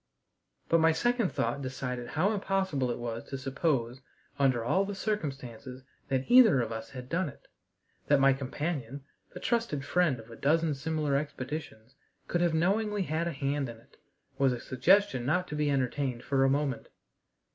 But my second thought decided how impossible it was to suppose, under all the circumstances, that either of us had done it. That my companion, the trusted friend of a dozen similar expeditions, could have knowingly had a hand in it, was a suggestion not to be entertained for a moment.